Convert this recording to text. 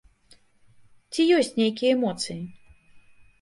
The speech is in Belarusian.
Ці ёсць нейкія эмоцыі?